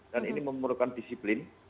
dan ini memerlukan disiplin